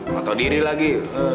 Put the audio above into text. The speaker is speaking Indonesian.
gak tau diri lagi